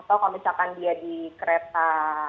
atau kalau misalkan dia di kereta